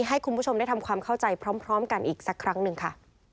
ให้คุณผู้ชมได้ทำความเข้าใจพร้อมกันอีกสักครั้งหนึ่งค่ะ